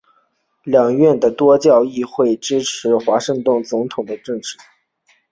两院的多数议员支持华盛顿总统的政府。